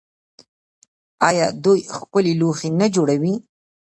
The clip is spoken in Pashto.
آیا دوی ښکلي لوښي نه جوړوي؟